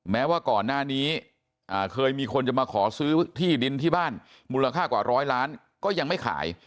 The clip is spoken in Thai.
แม้ว่าก่อนหน้านี้เคยมีคนจะมาขอซื้อที่ดินที่บ้านมูลค่ากว่าร้อยล้านก็ยังไม่ขาย